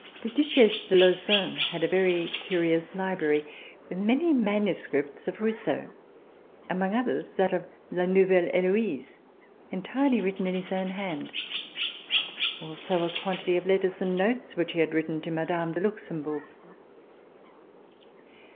The Duchesse de Lauzun had a very curious library, with many manuscripts of Rousseau, among others that of "La Nouvelle Heloise," entirely written in his own hand; also a quantity of letters and notes which he had written to Mme. de Luxembourg.